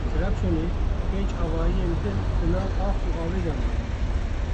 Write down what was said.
Li Trabzonê pênc avahiyên din di nav ax û avê de man.